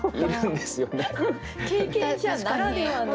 経験者ならではの。